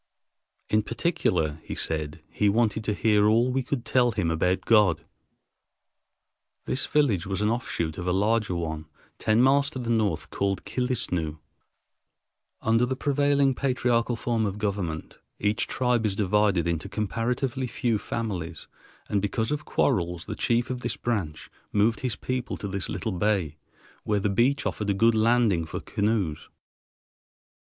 In particular, he said, he wanted to hear all we could tell him about God. This village was an offshoot of a larger one, ten miles to the north, called Killisnoo. Under the prevailing patriarchal form of government each tribe is divided into comparatively few families; and because of quarrels, the chief of this branch moved his people to this little bay, where the beach offered a good landing for canoes.